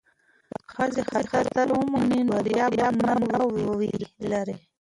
که ښځې خطر ومني نو بریا به نه وي لرې.